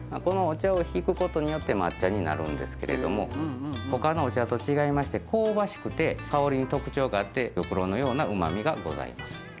このお茶をひくことによって抹茶になるんですけれども他のお茶と違いまして香ばしくて香りに特徴があって玉露のような旨味がございます